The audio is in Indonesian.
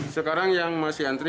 sekarang yang masih antri